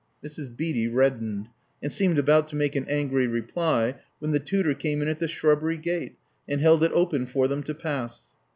Mrs. Beatty reddened, and seemed about to make an angry reply, when the tutor came in at the shrub bery gate, and held it open for them to pass.